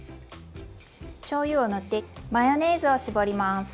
しょうゆを塗ってマヨネーズを絞ります。